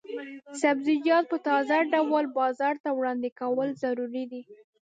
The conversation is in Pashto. سبزیجات په تازه ډول بازار ته وړاندې کول ضروري دي.